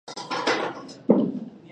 یو شېبه په طبیعت کې کتل فشار کموي.